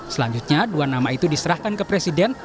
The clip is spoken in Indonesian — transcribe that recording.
selanjutnya dua nama itu diserahkan ke presiden